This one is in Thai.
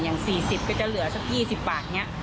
อย่าง๔๐ก็จะเหลือสัก๒๐ปากนี้